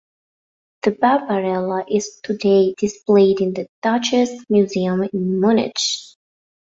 The Barbarella is today displayed in the Deutsches Museum in Munich.